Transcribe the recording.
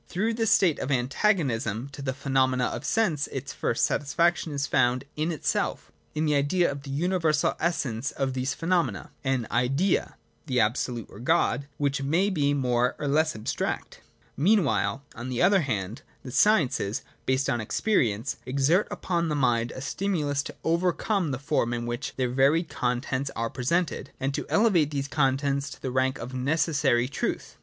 Through this state of antagonism to the phenomena of sense its first satis faction is found in itself, in the Idea of the universal essence of these phenomena : an Idea (the Absolute, or God) which may be more or less abstract. Mean while, on the other hand, the sciences, based on experi ence, exert upon the mind a stimulus to overcome the form in which their varied contents are presented, and , to elevate these contents to the rank of necessary truth.